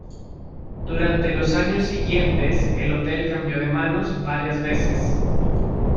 Durante los años siguientes el hotel cambió de manos varias veces.